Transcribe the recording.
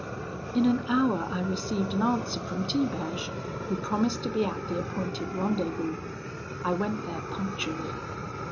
"In an hour I received an answer from Tiberge, who promised to be at the appointed rendezvous. I went there punctually.